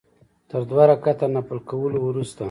تر دوه رکعته نفل کولو وروسته.